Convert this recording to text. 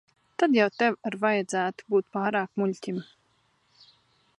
Tad jau tev ar vajadzētu būt pārāk muļķim.